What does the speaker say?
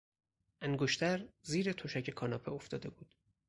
انگشتر زیر تشک کاناپه افتاده بود.